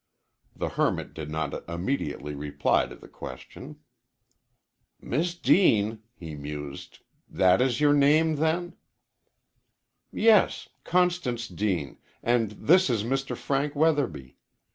The hermit did not immediately reply to the question. "Miss Deane," he mused; "that is your name, then?" "Yes, Constance Deane, and this is Mr. Frank Weatherby.